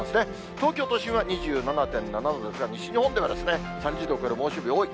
東京都心は２７．７度ですが、西日本では３０度を超える猛暑日多い。